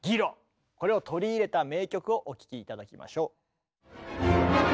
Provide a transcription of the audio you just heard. これを取り入れた名曲をお聴き頂きましょう。